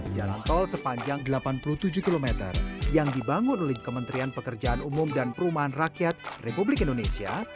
jalan tol sepanjang delapan puluh tujuh km yang dibangun oleh kementerian pekerjaan umum dan perumahan rakyat republik indonesia